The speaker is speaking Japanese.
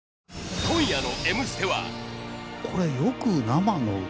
今夜の『Ｍステ』は。